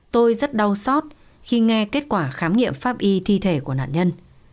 tôi rất đau xót khi nghe kết quả khám nghiệm pháp y thi thể của nạn nhân